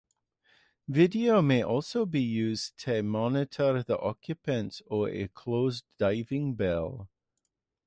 Video may also be used to monitor the occupants of a closed diving bell.